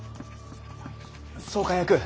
総監役！